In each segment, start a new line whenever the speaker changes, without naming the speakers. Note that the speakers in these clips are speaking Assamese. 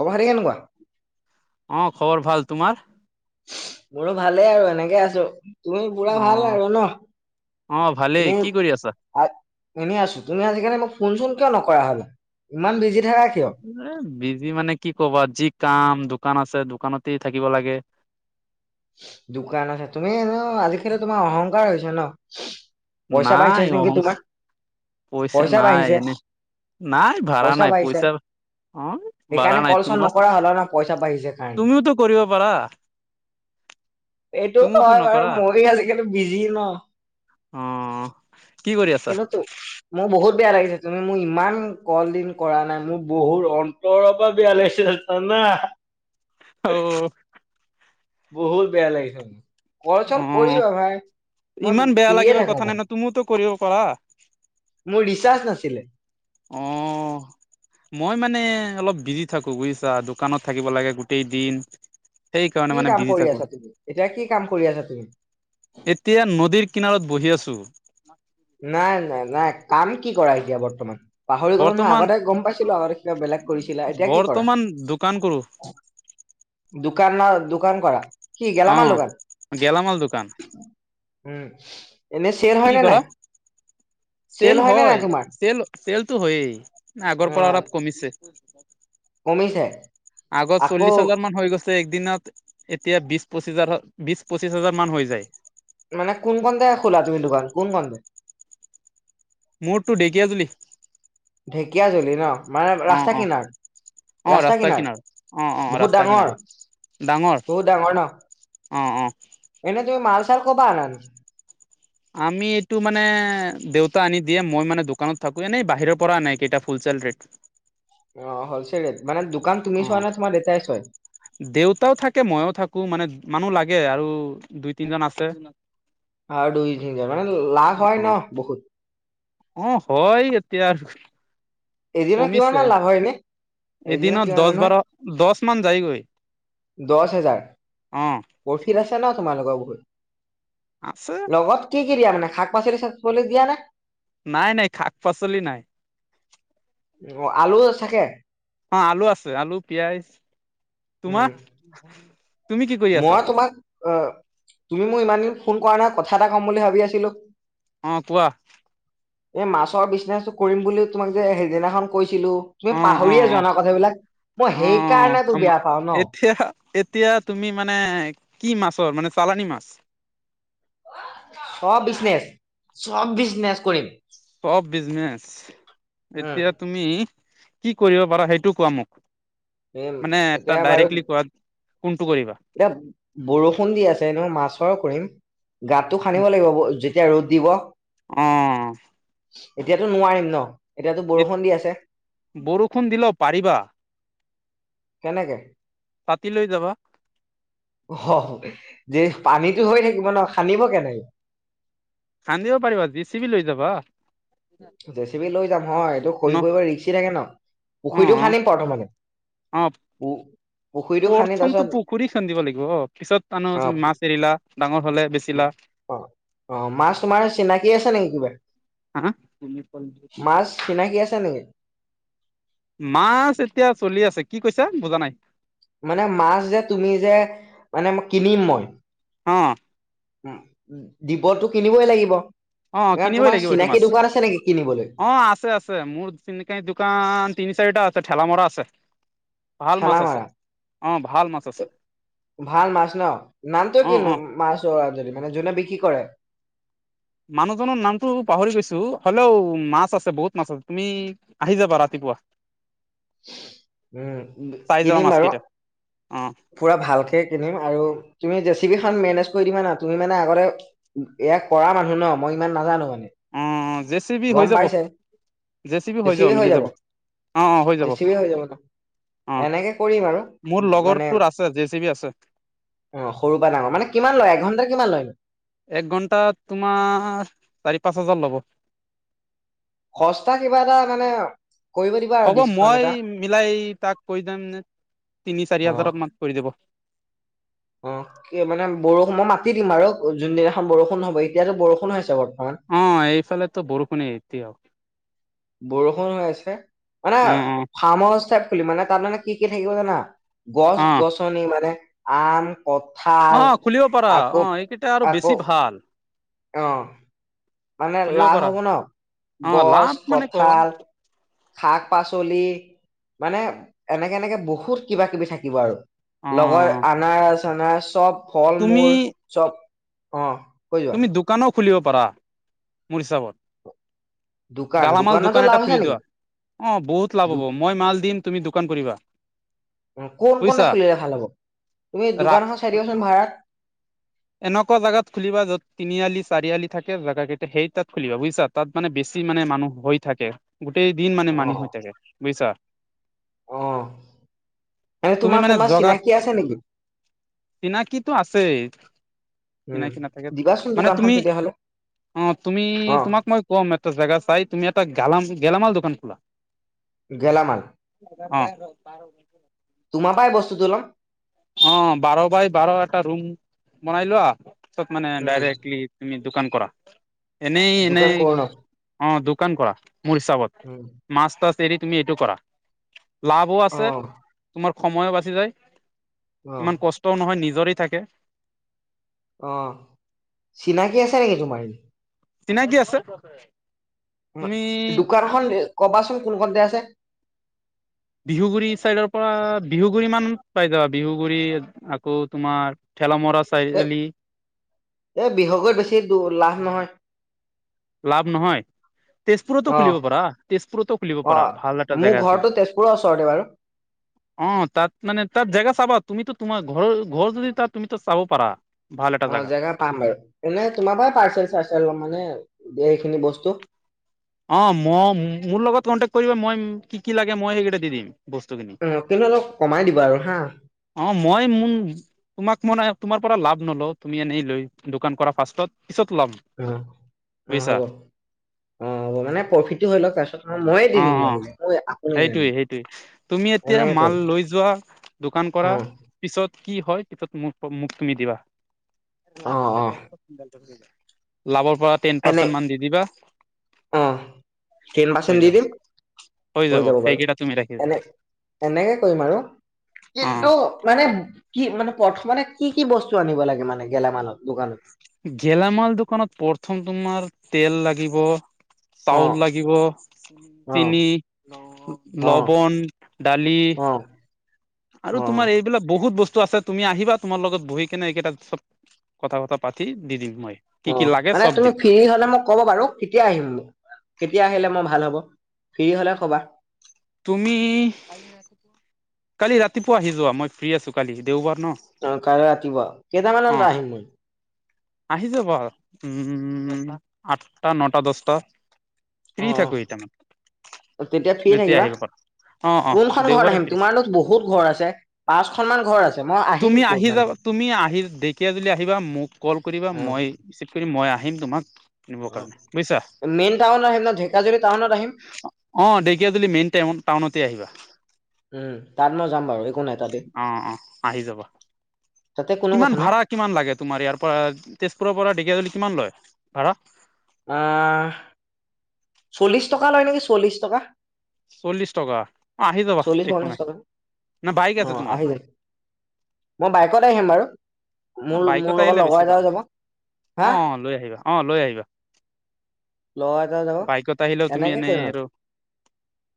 খবৰ খাতি কেনেকুৱা?
অঁ' খবৰ ভাল, তোমাৰ?
মোৰো ভালেই আৰু এনেকে আছোঁ। তুমি পুৰা
অ
ভাল আৰু আৰু ন'
অ ভালেই
এনেই
কি কৰি আছা
[unintelligible] এনেই আছোঁ, তুমি আজিকালি মোক ফোনচোন কিয় নকৰা হলা, ইমান বিজি থাকা কিয়?
এ বিজি মানে কি কবা যি কাম দোকান আছে দোকানতেই থাকিব লাগে।
দোকান আছে তুমি এনেও আজি কালি তোমাৰ অহংকাৰ হৈছে ন'। পাইচা
নাই
বাঢ়িছে নেকি
অহং
তোমাৰ।
পইচা নাই এনে, নাই বঢ়া নাই পইচা- অঁ' বঢ়া
সেইকাৰণে
নাই,
কল চল
তোমাৰটো,
নকৰা হ'লা ন পইচা বাঢ়িছে কাৰণে।
তুমিওতো কৰিব পাৰা।
এইটো
তুমিওতো
হয় বাৰু
নকৰা
মইয়ো আজিকালি বিজি ন'।
অঁ।
কিন্ত তো, মোৰ বহুত বেয়া লাগিছে তুমি মোৰ ইমান কল দিন কৰা নাই মোৰ বহুত অ অন্তৰ পৰা বেয়া লাগিছে জানা।
অঁ।
বহুত বেয়া লাগিছে মোৰ,
অ
কল-চল কৰিবা ভাই মই
ইমান বেয়া
ফ্ৰীয়ে
লাগিবৰ কথা
থাকো
নাই ন
মই।
তুমিওতো কৰিব পাৰা।
মোৰ ৰিচাৰ্জ নাছিলে।
অঁ। মই মানে অলপ বিজি থাকো বুজিছা, দোকানত থাকিব লাগে গোটেই দিন। সেইকাৰণে
কি
মানে
কাম
বিজি
কৰি
থাকো
আছা তুমি এতিয়া কি কাম কৰি আছা তুমি?
এতিয়া নদীৰ কিনাৰত বহি আছোঁ।
নাই নাই নাই কাম কি কৰা এতিয়া বৰ্তমান? পাহৰি গ'লো নহয়
বৰ্তমান
আগতে গম পাইছিলোঁ আগতে কিবা বেলেগ কৰিছিলা, এতিয়া কি কৰা?
বৰ্তমান দোকান কৰো
দোকান ন' দোকান কৰা, কি গেলা
অ
মালৰ দোকান?
গেলামাল দোকান
উমঁ' এনে চেল হয়
কি
নে
কৰা
নাই?
চেল
নে নাই
হয়,
তোমাৰ?
চেল চেলটো হয়েই, না
অ
আগৰ পৰা অলপ কমিছে।
কমিছে
আগত
আকৌ
চল্লিশ হাজাৰ মান হৈ গৈছে। একদিনত এতিয়া বিশ পঁচিছ হাজাৰ, বিশ পঁচিছ হাজাৰ মান হৈ যায়।
মানে কোনখনতে খোলা তুমি দোকান কোনখনতে?
মোৰটো ঢেকীয়াজুলি।
ঢেকীয়া জুলি ন' মানে ৰাস্তা কিনাত?
অঁ' ৰাস্তা কিনাৰত, অঁ' অঁ' ৰাস্তা
ডাঙৰ
কিনাৰত ডাঙৰ।
বহুত ডাঙৰ ন?
অঁ' অঁ।
এনে তুমি মাল-চাল কৰপা আনা নো?
আমি এইটো মানে দেউতা আনি দিয়ে মই মানে দোকানত থাকো, এনেই বাহিৰৰ পৰা আনে এইকেইটা ফুলচেল ৰেট।
অঁ' হ'ল' চেল ৰেট মানে দুকান তুমি
অ
চোৱা নে তোমাৰ দেউতাই চাই?
দেউতাও থাকে মইও থাকো মানে মানুহ লাগে আৰু দুই তিনিজন আছে।
আৰু দুই তিনিজন মানে লাভ হয় ন' বহুত?
অঁ' হয় এতিয়া।
এদিনত কিমান
কমিছে,
মান লাভ হয় এনে?
এদিনত দচ বাৰ দচ মান যায়েগৈ।
দচ হেজাৰ, প্ৰফিট আছে ন তোমালোকৰ বহুত।
আছে।
লগত কি কি দিয়া মানে শাক পাচলি চাক পাচলি দিয়া নে?
নাই নাই শাক পাচলি নাই।
অ' আলু থাকে।
অ' আলু আছে, আলু, পিয়াজ তোমাৰ?
উম
তুমি কি কৰি আছা
মই তোমাক অ' তুমি মোৰ ইমান দিন ফোন কৰা নাই কথা এটা কম বুলি ভাবি আছিলোঁ।
উম, কোৱা?
এই মাছৰ বিজনেচটো কৰিম বুলিও তোমাক যে সেইদিনাখন কৈছিলোঁ। তুমি
অ অ
পাহৰিয়ে
অ
যোৱা ন কথাবিলাক। মই
অ
সেইকাৰণে
অ
তোক বেয়া পাওঁ ন।
এতিয়া এতিয়া তুমি মানে কি মাছৰ মানে চালানী মাছ।
চ'ব বিজনেচ, চ'ব বিজনেচ কৰিম।
চ'ব বিজনেচ
উম
তেতিয়া তুমি। কি কৰিব পাৰা সেইটো কোৱা মোক
উম
মানে
এতিয়া
তাৰ ডাইৰেক্টলি কোৱা কোনটো কৰিবা?
দে বৰষুণ দি আছে ন মাছৰ কৰিম গাতটো খানিব লাগিব ব যে তিয়া ৰ'দ দিব।
উম।
এতিয়াতো নোৱাৰিম ন এতিয়াতো
এই
বৰষুণ দি আছে।
বৰষুণ দিলে পাৰিবা।
কেনেকে?
ছাতি লৈ যাবা।
অ' যেই পানীটো হৈ থাকিব ন খান্দিব কেনেকে?
খান্দিব পাৰিবা যে চি বি লৈ যাবা।
জেচিবি লৈ যাম হয়। এইটো
ন
খৰি পৰিব ৰিক্সি থাকে ন পুখুৰীটো
অ',
খান্দিম প্ৰথমতে।
অ'
ও
প্ৰথমটো পুখুৰী খান্দিব লাগিব। পিছত তান
অ
তুমি মাছ এৰিলা ডাঙৰ হ'লে বেচি
অ' অ' মাছ তোমাৰ চিনাকি আছে নেকি কিবা।
উম, হ'ম।
মাছ চিনাকী আছে নেকি?
মাছ এতিয়া চলি আছে, কি কৈছা বুজা নাই।
মানে মাছ যে তুমি যে মানে মই কিনিম মই।
অ'
অ' দিবটো কিনিবই লাগিব।
অ' অ'
কাৰণ
কিনিবই
তোমাৰ
লাগিব। এইটো
চিনাকি
মাছ
দোকান আছে নেকি কিনিবলৈ
অ' আছে, আছে মোৰ চিনিকায় দোকান তিনি চাৰিটা আছে, ঠেলা মৰা আছে। ভাল মাছ
ঠেলা
আছে,
মাৰা
অ' ভাল মাছ আছে।
ভাল মাছ ন নামটো
অ',
কিনো
অ',
মাছ অ' আহ যদি মানে যোনে বিক্ৰী কৰে।
মানুহজন নামটো পাহৰি গৈছোঁ। হ'লেও মাছ আছে, বহুত মাছ আছে। তুমি আহি যাবা ৰাতিপুৱা।
উম,
চাই যাবা
কিনিম বাৰু।
মাছকেইটা অ',
পুৰা ভালকে কিনিম আৰু তুমি জেচিবি খন মেনেজ কৰি দিবা না তুমি মানে আগতে ইয়াক কৰা মানুহ ন মই ইমান নাজানোঁ মানে।
অ', জে চি বি হৈ
গ'ম
যাব
পাইছাই
জে চি বি
বেছিহে
মিলি
হৈ যাব।
অ', অ', হৈ
জেছিবিয়ে হৈ যাব ন।
অ',
এনেকে কৰিম আৰু
মোৰ
মানে।
লগৰটোৰ আছে জে চি বি আছে
অভসৰু পা ডাঙৰ। মানে কিমান লয় এঘণ্টা কিমান লয় নো?
এক ঘন্টাত তোমাৰ চাৰি পাঁচ হাজাৰ ল'ব।
সস্তা কিবা এটা মানে কৰিব দিবা আৰু
হ'ব
ডিচকাউণ্ট
মই
এটা
মিলাই তাক কৈ যাম তিনি চাৰি হাজাৰক মানত কৰি দিব।
অঁ কিন্তু মানে বৰষুণ মই মাতি দিম আৰু, যোনদিনাখন বৰষুণ হ'ব এতিয়াতো বৰষুণ হৈছে বৰ্তমান।
অঁ, এইফালে ত বৰষুণ এৰিলে আও।
বৰষুণ হৈ আছে মানে,
অ', অ',
ফাৰ্ম হাউচ টাইপ খুলিম মানে তাত মানে কি কি থাকিব জানা। গছ
অ',
গছনি মানে আম, কঁঠাল
অ', খুলিব পাৰা অ',
আকৌ
এইকেইটা আৰু বেছি
আকৌ
ভাল
অঁ। মানে
খুলিব
লাভ
পাৰা
হ'ব ন
অ',
গছ
লাভ মানে ক
কঁঠাল। শাক পাচলি। মানে এনেকে এনেকে বহুত কিবা কিবি থাকিব আৰু। লগৰ
অ',
আনাৰচ চনাৰস চব ফল
তুমি
মূল চব। অ কৈ যোৱা।
তুমি দোকানো খুলিব পাৰা মোৰ হিচাপত।
দোকান
গালামাল
দোকানতো
দোকান
লাভ
এটা
আছে
খুলি
নেকি
দোৱা, অঁ বহুত
দো
লাভ হ'ব মই মাল দিম তুমি দোকান কৰিবা।
কোন কোনটা
বুজিছা
খুলিলে ভাল হ'ব, তুমি
ৰা
দোকান এখন চাই দিবাচোন ভাড়াত।
এনেকুৱা জাগাত খুলিবা য'ত তিনিআলি চাৰিআলি থাকে জেগা কেইটা সেই তাত খুলিবা বুজিছা। তাত মানে বেছি মানে মানুহ হৈ থাকে। গোটেই দিন মানে
অ
মানি হৈ থাকে বুজিছা।
অ এনে
তুমি
তোমাৰ
মানে
কোনোবা
জগাত।
চিনাকি আছে নেকি
চিনাকি আছেই।
উম
চিনাকি নাথাকে,
দিবাচোন
মানে
দোকানখন
তুমি
তেতিয়াহ'লে
অঁ তুমি
অ
তোমাক মই কম এটা জোগা চাই তুমি এটা গেলাম গেলামাল দোকান খোলা।
গেলামাল।
অঁ।
তোমাৰ পৰাই বস্তুটো লম।
অঁ বাৰ বাই বাৰ এটা ৰুম বনাই লোৱা পিছত মানে
উম
ডাইৰেক্টলি তুমি দোকান কৰা, এনেই
দোকান
এনেই
কৰো ন
অঁ দোকান কৰা মোৰ হিচাপত।
উ'ম।
মাছ তাছ এৰি তুমি এইটো কৰা, লাভো
অ
আছে। তোমাৰ সময়ো বাচি যায়।
অ
ইমান কষ্টও নহয়, নিজৰে থাকে।
অঁ চিনাকি আছে নেকি তোমাৰ?
চিনাকি আছে। তুমি
দোকানখন কবাচোন কোন কতে আছে?
বিহুগুৰি চাইদৰ পৰা বিহুগুৰি মান পাই যাবা বিহুগুৰি। আকৌ তোমাৰ ঠেলা মৰা
এ
চাৰিআলি।
এ বিহগত বেছি তো লাভ নহয়।
লাভ নহয়। তেজপুৰতো
অ
খুলিব পাৰা, তেজপুৰতো খুলিব
অ
পাৰা ভাল এটা
মোৰ
জেগা আছিল।
ঘৰটো তেজপুৰৰ ওচৰতে বাৰু
[unintelligible] অঁ তাত মানে তাত জেগা চাবা, তুমিতো তোমাৰ ঘৰৰ ঘৰ যদি ত তুমি চাব পাৰা। ভাল এটা
অঁ
জাগা
জেগা পাম বাৰু, এনে তোমাৰ পৰাৰ পাৰ্চেল চাৰ্চেল মানে এইখিনি বস্তু।
অঁ ম মোৰ লগত কণ্টেক্ট কৰিব মই কি কি লাগে মই সেইকেইটা দি দিম বস্তুখিনি।
উম, কিন্তু অলপ কমাই দিব আৰু হা।
অঁ মই মুন তোমাক মই তোমাৰ পৰা লাভ নলও তুমি এনেই লৈ দোকান কৰা ফাৰ্ষ্টত পিছত ল'ম।
অ অ
বুজিছা
হ'ব অ হ'ব মানে প্ৰফিটটো হয় লওক তাৰপিছত। মই- ময়ে দি
অ
দিম
অ
লাগিলে মোৰ একো নাই
সেইটোয়ে সেইটোৱে তুমি এতিয়া
এনেকে
মাল
কৰিম
লৈ যোৱা। দোকান কৰা।
অ
পিছত কি হয় পিছতোক মোক তুমি দিবা।
অ
লাভৰ
অ
পৰা টেন
এনে
পাৰ্চেন্ট মান দি দিবা।
অ টেন
হৈ
পাৰ্চেণ্ট দি
যাব
দিম হৈ যাব বাৰু
সেইকেইটা তুমি ৰাখি
এনে, এনেকে কৰিম আৰু
অ
কিন্তু। মানে কি মানে প্ৰথম মানে কি কি বস্তু আনিব লাগে মানে গেলামালৰ দোকানত।
গেলামাল দোকানত প্ৰথম তোমাৰ তেল লাগিব।
অ
চাউল লাগিব
অ
চিনি,
অ
লৱন দালি।
অ
আৰু
অ
তোমাৰ এইবিলাক বহুত বস্তু আছে তুমি আহিবা তোমাৰ লগত বহি কেনে এইকেইটা চব, কথা বতি পাতি দি দিম মই, কি
অ
কি লাগে
মানে
চব
তুমি
দিম
ফ্ৰী হলে মোক, ক'ব বাৰু কেতিয়া আহিম মোক কেতিয়া আহিলে মই ভাল হ'ব ফ্ৰী হলে কবা।
তুমি কালি ৰাতিপুৱা আহি যোৱা মই ফ্ৰী আছো কালি দেওবাৰ ন।
অ কাইলে ৰাতিপুৱা
অ
কেইটামানত আহিম নো।
আহি যাব উম আঠটা নটা দহটা।
অ
ফ্ৰী থাকো এটামান
অ তেতিয়া, ফ্ৰী
যেতিয়া
থাকিবা
আহিব পা,
কোনখন ঘৰ আহিম তোমাৰ লগত বহুত ঘৰ আছে পাঁচখনমান ঘৰ আছে মই
তুমি
আহিম
আহি
ক'ত মানে।
যাবা তুমি আহি ঢেকীয়া যদি আহিবা মোক কল কৰিবা
অ
মই ৰিচিভ কৰি মই আহিম তোমাক। নিব
অ
কাৰণে বুজিছা
মেইন টাউনত আহিম ন ঢেকাজুলি টাউনত আহিম
অ দে, মেই টাউনতে আহিবা।
উম তাত মই যাম বাৰু একো নাই ততে
অ অ আহি যাবা
তাতে কোনো।
কিমান
কথা নাই
ভাড়া কিমান লাগে তোমাৰ ইয়াৰ পৰা তেজপুৰৰ পৰা ঢেকিয়াজুলি কিমান লয় ভাড়া,
আ চল্লিছ টকা লয় নেকি চল্লিছ টকা।
চল্লিশ টকা আহি যাবা
চল্লিশ
একো
পঞ্চাশ
নাই
টকা
ন বাইক
অ
আছে তোমাৰ।
আহি যায় মই বাইকত আহিম বাৰু
অ
মোৰ মোৰ
বাইকত
লগত
আহিলে
লগৰ
বেছি
এটাও
ভাল
যাব হা
অ অ লৈ আহিবা অ লৈ আহিবা।
লগৰ এটাও যাব
বাইকত আহিলেও তুমি
এনেকে
এনেই
কৰিম
আৰু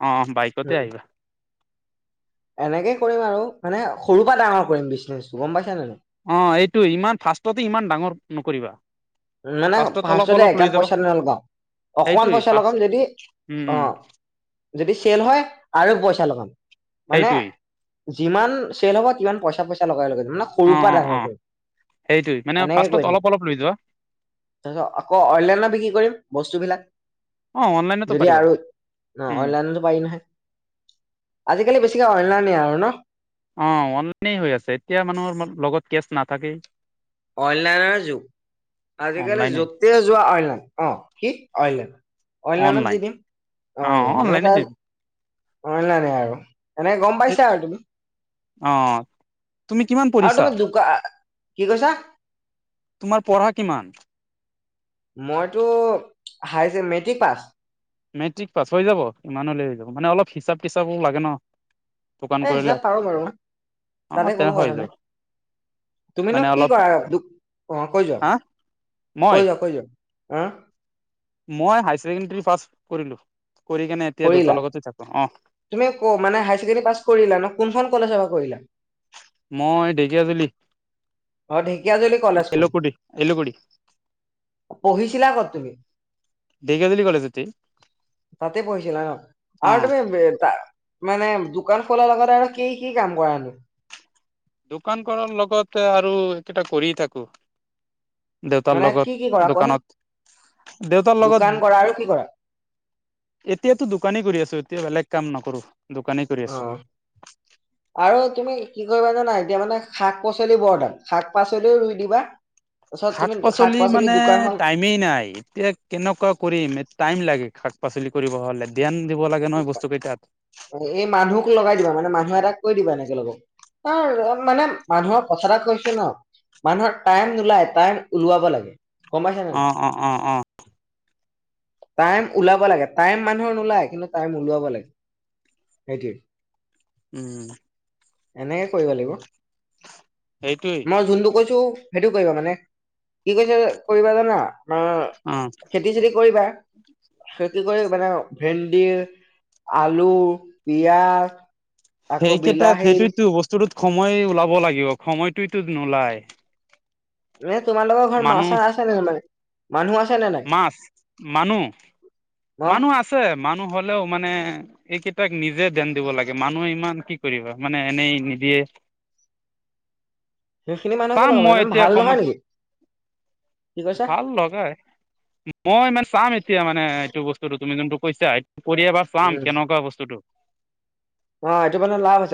অ বাইকতে
উম
আহিবা।
এনেকে কৰিম আৰু মানে সৰুৰ পৰা ডাঙৰ কৰিম বিজনেছটো গম পাইছা নে নাই।
অ এইটো ইমান ফাষ্টতে ইমান ডাঙৰ নকৰিবা।
মানে
ফাৰ্ষ্টত অলপ
ফাৰ্ষ্টতে
অলপ লৈ
এগাল
যাবা
পইচা নলগাওঁ। অকমান
সেইটোৱেই
পইচা
ফাৰ্ষ্ট
লগাম যদি
উম
অ,
উম
যদি চেল হয় আৰু পইচা লগাম মানে।
সেইটোৱেই
যিমান চল হ'ব কিমান পইচা পইচা লগাই লগে তাক।
অ অ অ সেইটোৱে মানে
এনেকে কৰি
ফাৰ্ষ্টত
থাকিম
অলপ অলপ লৈ যোৱা।
তাৰপিছত আকৌ অনলাইনত বিক্ৰী কৰিম বস্তুবিলাক।
অ অনলাইনতো
যদি
পাৰিবা
আৰু অ
উম
অনলাইনতো। পাৰি নহয় আজিকালি বেছিকে অনলাইনে আৰু ন,
অ অনলাইনে হৈ আছে এতিয়া মানুহৰ লগত কেচ নাথাকেই।
অনলাইনৰ যুগ। আজিকালি
অনলাইনে
যতে যোৱা অইনলাইন অ কি অইনলাইন অইনলাইনত দি
অনলাইন
দিম।
অ
অঁ মানে
অনলাইনে
তাৰ অনলাইনে আৰু এনেকে গম পাইছা আৰু তুমি।
অঁ'।
আৰু তুমি দোকা কি কৈছা?
তোমাৰ পঢ়া কিমান?
মইতো হাইচে মেট্ৰিক পাছ।
মেট্ৰিক পাছ হৈ যাব ইমানলৈ হৈ যাব, মানে অলপ হিচাপ তিচাপো লাগে ন। দোকান
এই
কৰিলে
হিচাপ পাৰো বাৰু,
অ
তাতে
তে
কোনো
হৈ
কথা
যাব
নাই। তুমি নো
মানে
কি
অলপ
কৰা? দু অঁ কৈ যোৱা
হা মই
কৈ যোৱা কৈ যোৱা। অঁ'।
মই হায় ছেকেণ্ডৰী পাছ কৰিলো কৰি কিনে এতিয়া
কৰিলা
দেউতাৰ লগতে থাকো, অঁ'
তুমি ক' মানে হায়াৰ ছেকেণ্ডেৰী পাছ কৰিলা ন, কোনখন কলেজৰ পৰা কৰিলা?
মই ঢেকীয়াজুলি
অ ঢেকীয়াজুলি কলেজখন
এলু কোৰি এলু কোৰি।
পঢ়িছিলা ক'ত তুমি?
ঢেকিয়াজুলি কলেজতে।
তাতে পঢ়িছিলা ন?
অ
আৰু তুমি বে তা- মানে দোকান খোলাৰ লগতে আৰু কি কি কাম কৰানো?
দোকান কৰৰ লগতে আৰু সেকেইটা কৰিয়ে থাকো। দেউতাৰ
মানে কি কি
লগত
কৰা কোৱাচোন
দোকানত, দেউতাৰ
দোকান
লগত-
কৰা আৰু কি কৰা
এতিয়াতো দোকানী কৰি আছো, এতিয়া বেলেগ কাম নকৰো দোকানী-
অঁ'। আৰু তুমি কি কৰিবা জানা এতিয়া মানে শাক পাচলি বৰ দাম, শাক পাচলিও ৰুই দিবা। তাৰপিছত
শাক
তুমি
পাচলি মানে টাইম-
দোকানখন
টাইমেই নাই, এতিয়া কেনেকুৱা কৰিম? টাইম লাগে শাক পাচলি- কৰিব হ'লে, ধ্যান দিব লাগে নহয় বস্তু কেইটাত।
এই মানুহক লগাই দিবা মানে মানুহ এটাক কৈ দিবা এনেকে লগক, মানে- মানুহক কথা এটা কৈছো ন, মানুহৰ টাইম নোলাই টাইম ওলোৱাব লাগে। গম পাইছানে
অ
নাই?
অ অ অ
টাইম ওলাব লাগে টাইম মানুহৰ নোলায়, কিন্তু- টাইম ওলোৱাব লাগে, সেইটোৱেই।
উম'।
এনেকে কৰিব লাগিব,
সেইটোৱেই
মই যোনটো কৈছো- সেইটো কৰিবা মানে, কি কৈছে কৰিবা জানা?
অ
আঁ- খেতি চেতি কৰিবা, খেতি কৰি মানে ভেন্দি- আলু, পিয়াঁজ-
সেইকেইটাত সেইটোতো বস্তুটোত সময় ওলাব লাগিব সময়টোতো নোলায়।
এনে তোমালোকৰ ঘৰত মাহ
মানুহ
চা আছে নে নাই, মানুহ আছে নে নাই?
মাছ, মানুহ
অ
মানুহ আছে মানুহ হলেও মানে- এইকেইটাক নিজে ধ্যান দিব লাগে মানুহে ইমান কি কৰিবা, মানে এনেই নিদিয়ে। [inaudible]
সেইখিনি মানুহকে
চাম
লগাব,
মই
ইমান
এতিয়া
ভাল
সময়
নহয় নেকি? কি কৈছা
ভাল লগাই। মই ইমান চাম এতিয়া মানে এইটো বস্তুটো তুমি যোনটো কৈছা, এইটো কৰি এবাৰ চাম কেনেকুৱা বস্তুটোটো?
অঁ এইটো মানে লাভ আছে।